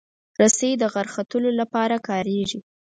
رسۍ د غر ختلو لپاره کارېږي.